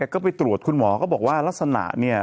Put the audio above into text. ก็ไปตรวจคุณหมอก็บอกว่าลักษณะเนี่ย